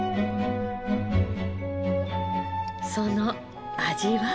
その味は？